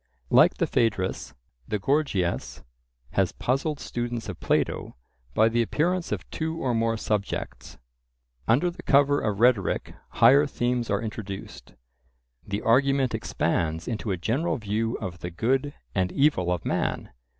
Like the Phaedrus, the Gorgias has puzzled students of Plato by the appearance of two or more subjects. Under the cover of rhetoric higher themes are introduced; the argument expands into a general view of the good and evil of man.